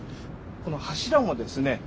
この柱もですね